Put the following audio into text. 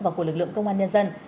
và của lực lượng công an nhân dân